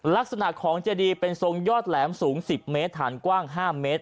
ลักษณะของเจดีเป็นทรงยอดแหลมสูง๑๐เมตรฐานกว้าง๕เมตร